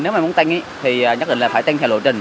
nếu mà muốn tăng thì nhất định là phải tăng theo lộ trình